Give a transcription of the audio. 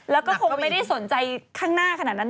แล้วก็คงไม่ได้สนใจข้างหน้าขนาดนั้น